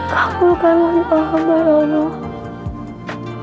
kamu kembali lama ya allah